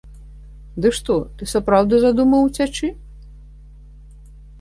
Ды што ты сапраўды задумаў уцячы?!